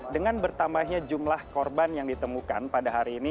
dengan bertambahnya jumlah korban yang ditemukan pada hari ini